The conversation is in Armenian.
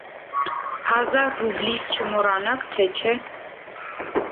- Հազար ռուբլիս չմոռանաք, թե չէ…